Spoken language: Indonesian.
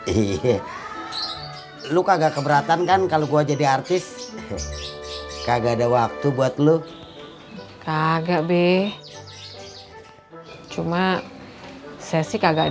iya lu kagak keberatan kan kalau gua jadi artis kagak ada waktu buat lu kagak be cuma sesi kagak